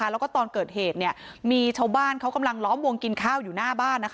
แล้วก็ตอนเกิดเหตุมีชาวบ้านเขากำลังล้อมวงกินข้าวอยู่หน้าบ้าน